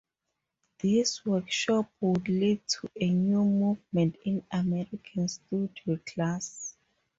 This workshop would lead to a new movement in American studio glass.